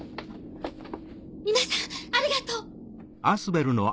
皆さんありがとう。